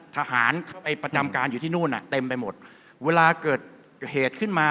ทหารไปประจำการอยู่ที่นู่นอ่ะเต็มไปหมดเวลาเกิดเหตุขึ้นมา